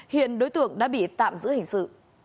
hiện đối tượng đã bị tạm giữ hình sự